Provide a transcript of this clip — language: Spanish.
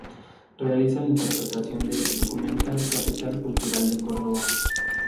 Realiza la interpretación del ‘Documental Capital Cultural de Córdoba’.